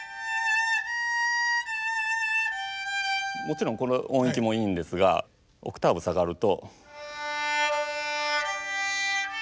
もちろんこの音域もいいんですがオクターブ下がると。